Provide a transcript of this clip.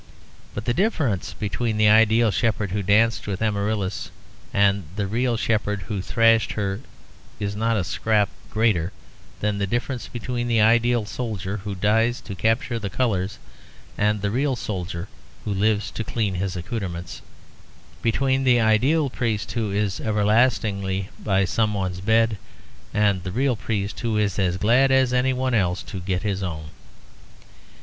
But the difference between the ideal shepherd who danced with Amaryllis and the real shepherd who thrashed her is not a scrap greater than the difference between the ideal soldier who dies to capture the colours and the real soldier who lives to clean his accoutrements, between the ideal priest who is everlastingly by someone's bed and the real priest who is as glad as anyone else to get to his own.